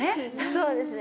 そうですね。